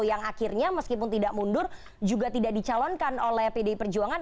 yang akhirnya meskipun tidak mundur juga tidak dicalonkan oleh pdi perjuangan